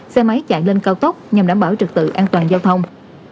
xe máy chạy lên cao tốc nhằm đảm bảo trực tự an toàn giao thông